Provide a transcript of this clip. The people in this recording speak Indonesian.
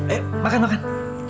eh makan makan